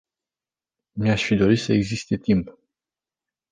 Mi-aș fi dorit să existe timp.